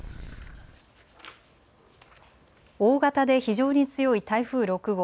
大型で非常に強い台風６号。